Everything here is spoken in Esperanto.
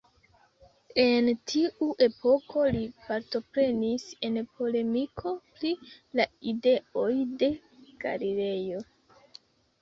En tiu epoko li partoprenis en polemiko pri la ideoj de Galilejo.